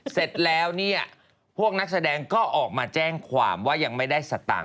เสร็จแล้วเนี่ยพวกนักแสดงก็ออกมาแจ้งความว่ายังไม่ได้สตางค